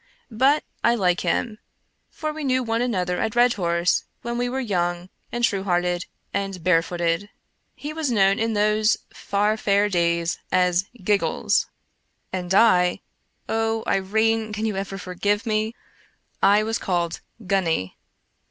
But I like him, for we knew one another at Redhorse when we were young and true hearted and bare footed. He was known in those far fair days as " Giggles," and I — O Irene, can you ever forgive me? — I was called '■ Gunny."